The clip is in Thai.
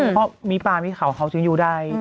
เพราะมีป่ามีเขาเขาจะอยู่ได้